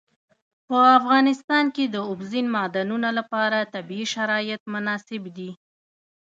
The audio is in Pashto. په افغانستان کې د اوبزین معدنونه لپاره طبیعي شرایط مناسب دي.